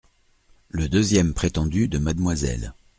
Le deuxième prétendu de mademoiselle …